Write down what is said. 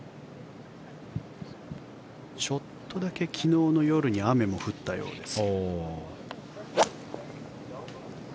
ちょっとだけ昨日の夜に雨も降ったようです。